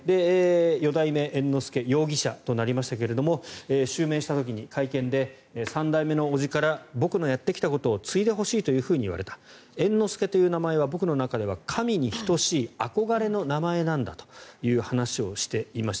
四代目猿之助容疑者となりましたが襲名した時に会見で三代目の伯父から僕のやってきたことを継いでほしいと言われた猿之助という名前は僕の中では神に等しい憧れの名前なんだという話をしていました。